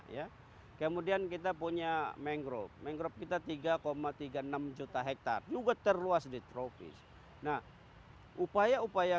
ya kemudian kita punya mangrove mangrove kita tiga tiga puluh enam juta hektare juga terluas di tropis nah upaya upaya